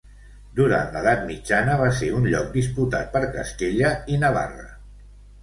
Durant l'edat mitjana va ser un lloc disputat per Castella i Navarra.